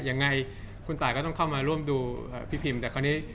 ยังไงคุณตายก็ต้องเข้ามาร่วมดูพี่พิมแต่คราวนี้